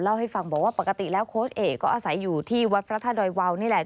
เล่าให้ฟังบอกว่าปกติแล้วโค้ชเอกก็อาศัยอยู่ที่วัดพระธาตุดอยวาวนี่แหละ